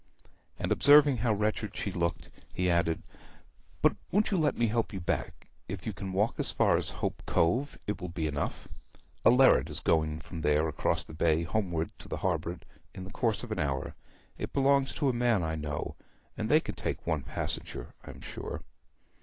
And observing how wretched she looked, he added, 'But won't you let me help you back? If you can walk as far as Hope Cove it will be enough. A lerret is going from there across the bay homeward to the harbour in the course of an hour; it belongs to a man I know, and they can take one passenger, I am sure.'